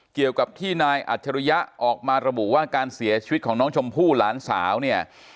เกี่ยวกับที่นายอัจฉริยะออกมาระบุว่าการเสียชีวิตของน้องชมพู่หลานสาวเนี่ย